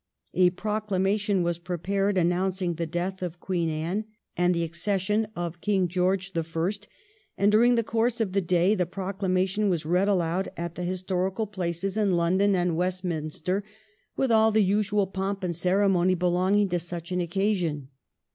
A proclamation was prepared announcing the death of Queen Anne and the accession of King George the First, and during the course of the day the pro clamation was read aloud at the historical places in 1714 QUEEN ANNE'S FUNERAL. 385 London and Westminster, with all the usual pomp and ceremony belonging to such an occasion.